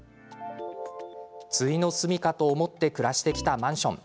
終の棲家と思って暮らしてきたマンション。